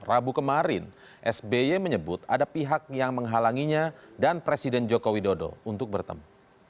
rabu kemarin sby menyebut ada pihak yang menghalanginya dan presiden joko widodo untuk bertemu